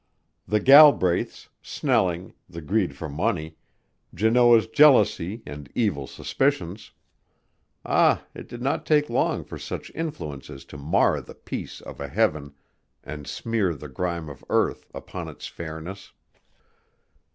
The Galbraiths, Snelling, the greed for money, Janoah's jealousy and evil suspicions ah, it did not take long for such influences to mar the peace of a heaven and smear the grime of earth upon its fairness!